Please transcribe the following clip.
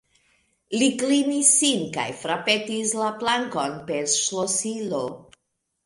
Li klinis sin kaj frapetis la plankon per ŝlosilo.